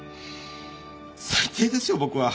最低ですよ僕は。